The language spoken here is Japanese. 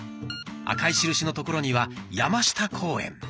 赤い印の所には「山下公園」。